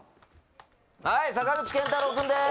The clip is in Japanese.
はい坂口健太郎君です。